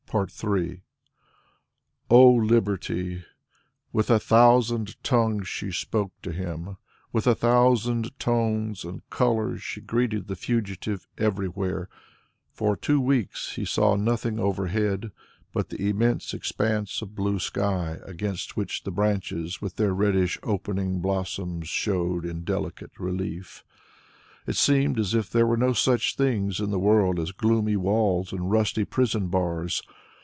III O Liberty! With a thousand tongues she spoke to him, with a thousand tones and colours she greeted the fugitive everywhere. For two weeks he saw nothing overhead but the immense expanse of blue sky, against which the branches with their reddish opening blossoms showed in delicate relief. It seemed as if there were no such things in the world as gloomy walls and rusty prison bars.